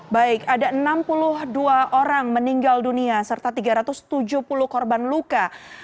baik ada enam puluh dua orang meninggal dunia serta tiga ratus tujuh puluh korban luka